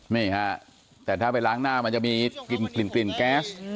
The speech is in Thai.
นี่ฮะแต่ถ้าไปล้างหน้ามันจะมีกลิ่นแก๊ส